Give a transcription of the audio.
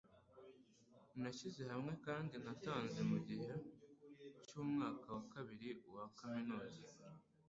nashyize hamwe kandi natanze mugihe cyumwaka wa kabiri wa kaminuza